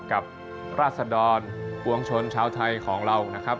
กับราศดรปวงชนชาวไทยของเรานะครับ